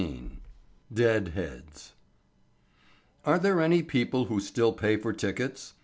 DEAD HEADS "Are there any people who still pay for tickets?"